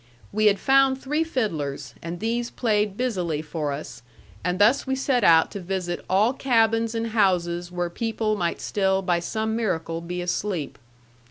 We had found three fiddlers, and these played busily for us; and thus we set out to visit all cabins and houses where people might still by some miracle be asleep.